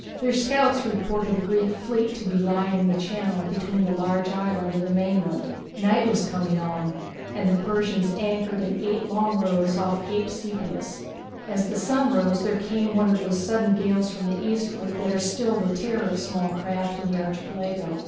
Their scouts reported a Greek fleet to be lying in the channel between the large island and the mainland. Night was coming on, and the Persians anchored in eight long lines off Cape Sepias. As the sun rose there came one of those sudden gales from the eastward that are still the terror of small craft in the Archipelago.